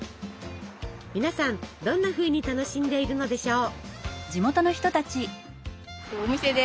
皆さんどんなふうに楽しんでいるのでしょう？